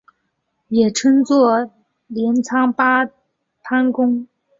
也称作镰仓八幡宫。